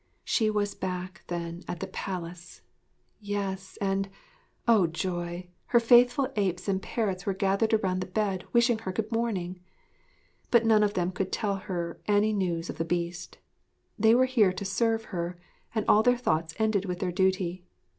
She was back, then, at the palace. Yes, and oh, joy! her faithful apes and parrots were gathered around the bed, wishing her good morning! But none of them could tell her any news of the Beast. They were here to serve her, and all their thoughts ended with their duty.